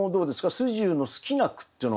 素十の好きな句っていうのは。